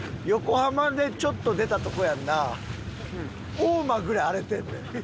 大間ぐらい荒れてんで。